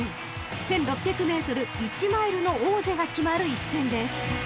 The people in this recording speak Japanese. ［１，６００ｍ１マイルの王者が決まる一戦です］